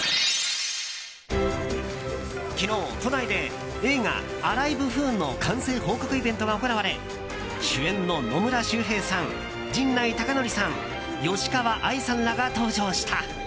昨日、都内で映画「アライブフーン」の完成報告イベントが行われ主演の野村周平さん陣内孝則さん、吉川愛さんらが登場した。